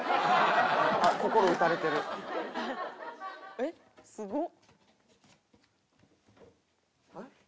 「えっ？すごっ」